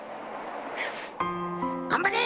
頑張れ！